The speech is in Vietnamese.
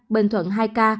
bình thuận hai ca